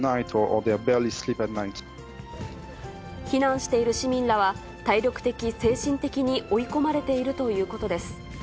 避難している市民らは、体力的、精神的に追い込まれているということです。